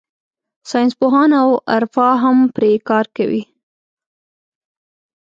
ساینسپوهان او عرفا هم پرې کار کوي.